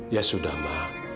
ya sudah ma